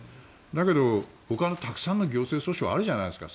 だけど、ほかのたくさんの行政訴訟あるじゃないですか。